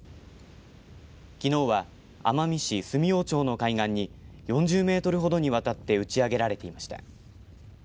きのうは奄美市住用町の海岸に４０メートルほどにわたって打ち上げられていました。